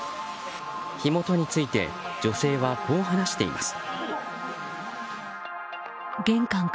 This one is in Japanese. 火元について女性はこう話しています。